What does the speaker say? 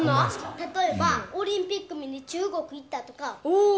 例えばオリンピック見に中国行ったとかおお！